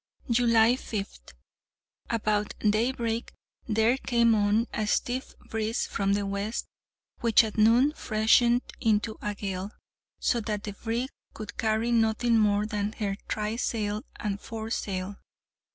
July 5th. About daybreak there came on a stiff breeze from the west, which at noon freshened into a gale, so that the brig could carry nothing more than her trysail and foresail.